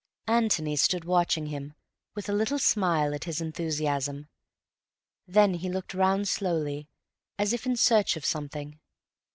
Antony stood watching him with a little smile at his enthusiasm. Then he looked round slowly, as if in search of something.